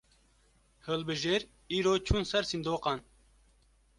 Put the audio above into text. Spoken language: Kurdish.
Hilbijêr, îro çûn ser sindoqan